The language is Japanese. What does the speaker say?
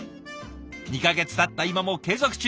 ２か月たった今も継続中。